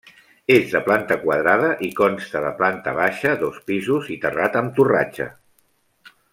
És de planta quadrada i consta de planta baixa, dos pisos i terrat amb torratxa.